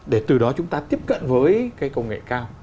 để từ đó chúng ta tiếp cận với cái công nghệ cao